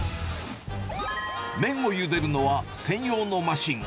麺をゆでるのは、専用のマシン。